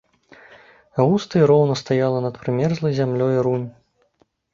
Густа і роўна стаяла над прымерзлай зямлёй рунь.